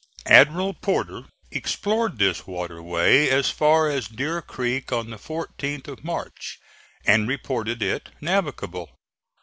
Admiral Porter explored this waterway as far as Deer Creek on the 14th of March, and reported it navigable.